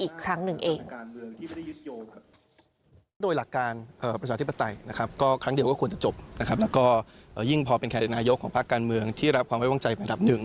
ของภาคการเมืองที่รับความไว้ว่างใจเป็นดับหนึ่ง